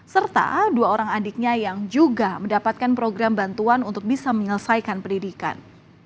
serta dua orang adiknya yang juga mendapatkan program bantuan untuk bisa menyelesaikan pendidikan